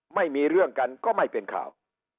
ไม่มีเรื่องกันก็ไม่เป็นข่าว